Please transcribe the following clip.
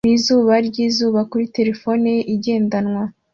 nizuba ryizuba kuri terefone ye igendanwa